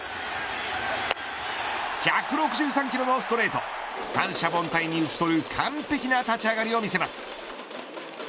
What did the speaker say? １６３キロのストレート三者凡退に打ち取る完璧な立ち上がりを見せます。